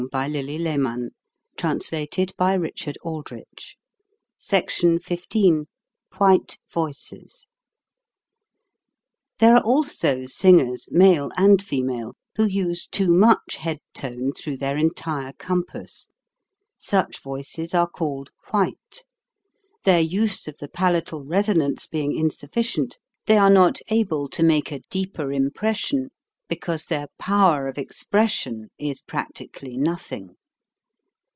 A very circumspect course must then be followed. SECTION XV WHITE VOICES THERE are also singers, male and female, who use too much head tone through their en tire compass; such voices are called "white." Their use of the palatal resonance being in sufficient, they are not able to make a deeper impression, because their power of expression is practically nothing.